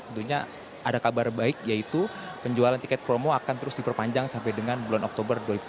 tentunya ada kabar baik yaitu penjualan tiket promo akan terus diperpanjang sampai dengan bulan oktober dua ribu tujuh belas